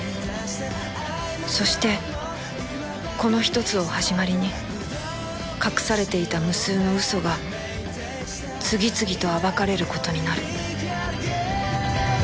そしてこの１つを始まりに隠されていた無数の嘘が次々と暴かれる事になる